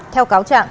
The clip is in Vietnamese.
theo cáo trạng